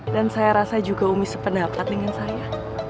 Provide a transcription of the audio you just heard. dan saya rasa juga umis sependapat dengan saya